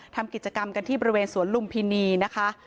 ทำกิจกรรมกันที่บริเวณสวนลุมพินีนะคะ